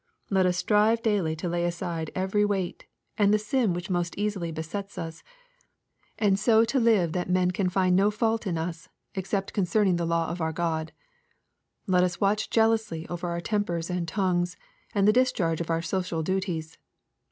Let us strive daily to lay aside everj 222 EXPOSITORY THOUGHTS. weight, and the sin which most easily besets us, and so to live that men can find no fault in us, except concerning the law of our God. Let us watch jealously over our tempers and tongues, and the discharge of our social duties.